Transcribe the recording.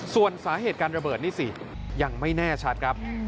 ส่วนสาเหตุการระเบิดนี่สิยังไม่แน่ชัดครับ